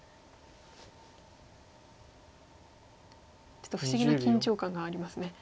ちょっと不思議な緊張感がありますね。